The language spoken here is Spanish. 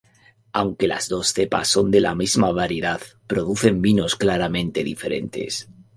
Aunque las dos cepas son de la misma variedad, producen vinos claramente diferentes.